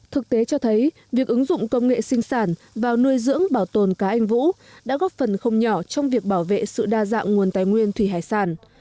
thực tế cho thấy việc ứng dụng công nghệ sinh sản vào nuôi dưỡng bảo tồn cá anh vũ đã góp phần không nhỏ trong việc bảo vệ sự đa dạng nguồn tài nguyên thủy hải sản